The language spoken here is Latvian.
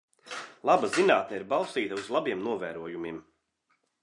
Laba zinātne ir balstīta uz labiem novērojumiem.